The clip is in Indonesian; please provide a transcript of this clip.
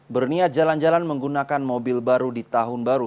berniat jalan jalan menggunakan mobil baru di tahun baru